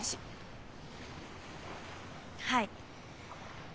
はい。